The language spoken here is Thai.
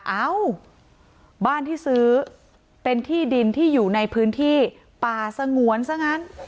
เอ้าบ้านที่ซื้อเป็นที่ดินที่อยู่ในพื้นที่ป่าสงวนซะงั้น